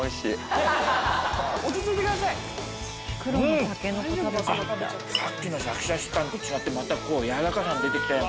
さっきのシャキシャキ感と違ってまたこう軟らかさが出て来たよ。